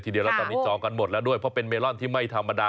ทีเดียวแล้วตอนนี้จองกันหมดแล้วด้วยเพราะเป็นเมลอนที่ไม่ธรรมดา